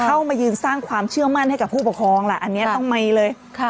มายืนสร้างความเชื่อมั่นให้กับผู้ปกครองล่ะอันนี้ต้องมีเลย